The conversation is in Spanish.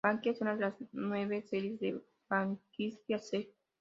Banksia es una de las nueve series de "Banksia sect.